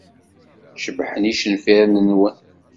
Cebḥen yicenfiren-nwen.